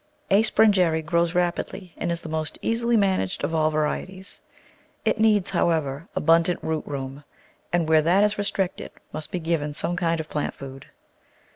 A. Sprengeri grows rapidly and is the most easily managed of all varieties. It needs, however, abun dant root room, and where that is restricted must be given some kind of plant food.